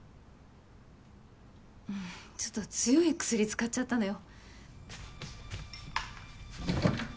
ちょっと強い薬使っちゃったのよ。